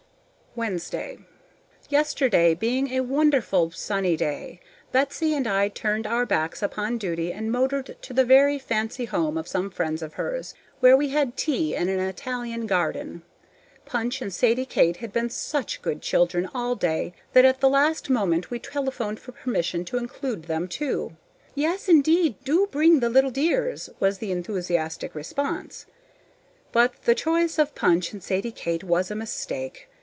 Wednesday. Yesterday being a wonderful sunny day, Betsy and I turned our backs upon duty and motored to the very fancy home of some friends of hers, where we had tea in an Italian garden. Punch and Sadie Kate had been SUCH good children all day that at the last moment we telephoned for permission to include them, too. "Yes, indeed, do bring the little dears," was the enthusiastic response. But the choice of Punch and Sadie Kate was a mistake.